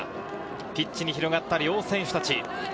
ピッチに広がった両選手達。